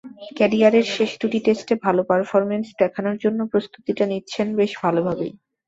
ক্যারিয়ারের শেষ দুটি টেস্টে ভালো পারফরম্যান্স দেখানোর জন্য প্রস্তুতিটা নিচ্ছেন বেশ ভালোভাবেই।